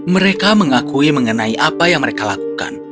mereka mengakui mengenai apa yang mereka lakukan